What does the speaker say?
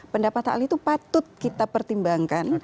pendapat ahli itu patut kita pertimbangkan